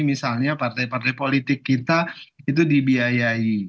misalnya partai partai politik kita itu dibiayai